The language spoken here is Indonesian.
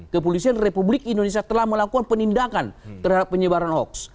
kepolisian republik indonesia telah melakukan penindakan terhadap penyebaran hoax